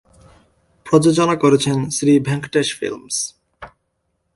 প্রযোজনা করছেন শ্রী ভেঙ্কটেশ ফিল্মস।